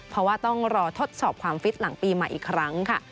เพราะว่าต้องรอทดสอบความฟิตหลังปีใหม่อีกครั้งค่ะ